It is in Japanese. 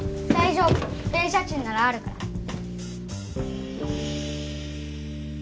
大丈夫電車賃ならあるから。